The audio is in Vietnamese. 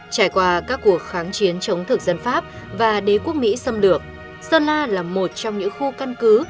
trải qua các cuộc kháng chiến chống thực dân pháp và đế quốc mỹ xâm lược sơn la là một trong những khu căn cứ